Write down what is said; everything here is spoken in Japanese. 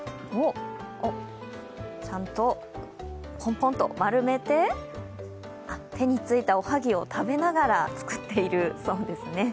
お、ちゃんとポンポンとまるめて、手についたおはぎを食べながら作っているそうですね。